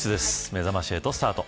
めざまし８スタート。